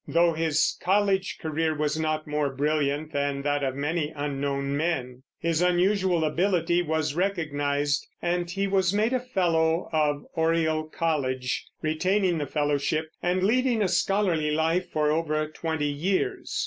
Though his college career was not more brilliant than that of many unknown men, his unusual ability was recognized and he was made a fellow of Oriel College, retaining the fellowship, and leading a scholarly life for over twenty years.